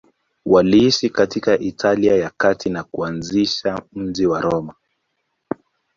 Waliishi katika Italia ya Kati na kuanzisha mji wa Roma.